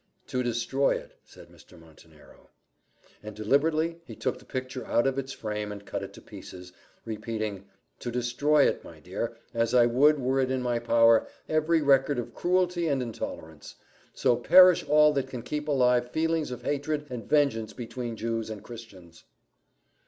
"To destroy it," said Mr. Montenero. And deliberately he took the picture out of its frame and cut it to pieces, repeating, "To destroy it, my dear, as I would, were it in my power, every record of cruelty and intolerance. So perish all that can keep alive feelings of hatred and vengeance between Jews and Christians!"